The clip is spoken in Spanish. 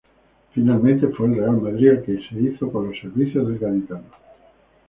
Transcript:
Finalmente fue el Real Madrid el que se hizo con los servicios del gaditano.